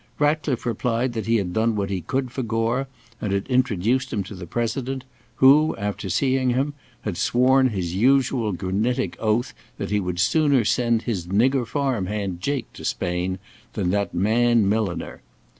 Ratcliffe replied that he had done what he could for Gore, and had introduced him to the President, who, after seeing him, had sworn his usual granitic oath that he would sooner send his nigger farm hand Jake to Spain than that man milliner.